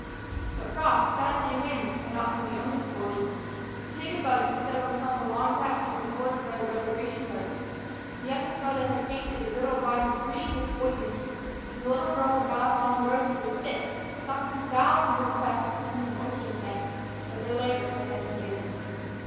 But frost, sun, and winds had not been the only scourges. Potato bugs had settled upon the long patch that was bordered by the reservation road. The youngest brother had painted the riddled vines green with poison, and the little girl had gone along the rows with a stick, knocking thousands of the pests into an oyster can; but their labor had been in vain.